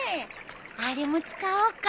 あれも使おうか。